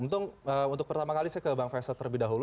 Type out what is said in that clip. untung untuk pertama kali saya ke bang faisal terlebih dahulu